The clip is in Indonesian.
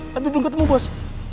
tapi belum ketemu bos